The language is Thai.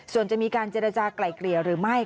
ส่วนจะมีการเจรจากลายเกลี่ยหรือไม่